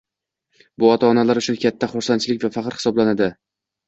bu ota-onalar uchun katta xursandchilik va faxr hisoblanadi.